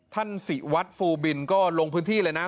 ศิวัฒน์ฟูบินก็ลงพื้นที่เลยนะ